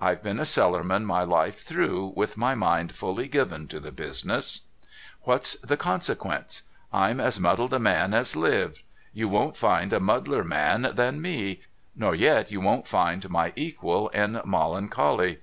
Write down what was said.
I've been a cellarman my life through, with my mind fully given to the business. What's the consequence ? I'm as muddled a man as lives — you won't find a muddleder man than me — nor yet you won't find my equal in molloncolly.